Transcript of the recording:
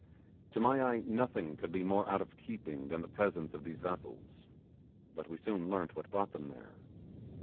To my eye nothing could be more out of keeping than the presence of these vessels; but we soon learnt what brought them there.